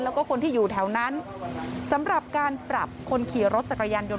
แล้วก็คนที่อยู่แถวนั้นสำหรับการปรับคนขี่รถจักรยานยนต